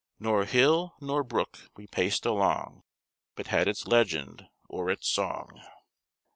"Nor hill, nor brook, we paced along, But had its legend or its song."